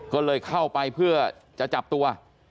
ก็เลยเข้าไปเพื่อจะจับตัว